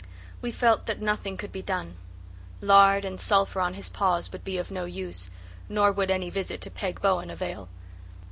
We felt that nothing could be done. Lard and sulphur on his paws would be of no use, nor would any visit to Peg Bowen avail.